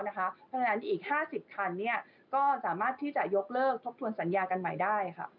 เพราะฉะนั้นอีก๕๐คันก็สามารถที่จะยกเลิกทบทวนสัญญากันใหม่ได้